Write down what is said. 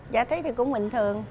dạ thấy thì cũng bình thường